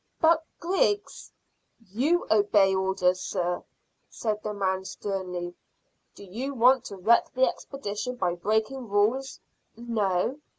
"But, Griggs " "You obey orders, sir," said the man sternly. "Do you want to wreck the expedition by breaking rules?" "No."